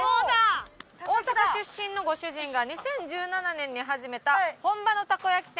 大阪出身のご主人が２０１７年に始めた本場のたこ焼き店。